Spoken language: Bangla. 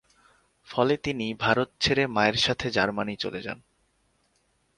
ফলে তিনি ভারত ছেড়ে মায়ের সাথে জার্মানি চলে যান।